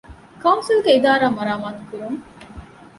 ކައުންސިލްގެ އިދާރާ މަރާމާތުކުރުން